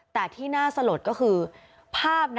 แต่ที่น่าสลดก็คือภาพ